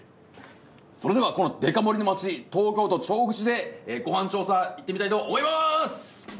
それではこのデカ盛りの町東京都調布市でご飯調査いってみたいと思います。